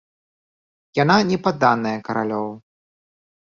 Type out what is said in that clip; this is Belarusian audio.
Я не падданая каралёў.